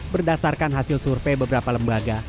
berdasarkan hasil survei beberapa lembaga